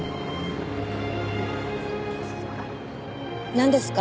なんですか？